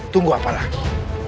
tunggu apa lagi